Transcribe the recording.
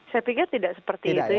saya pikir tidak seperti itu ya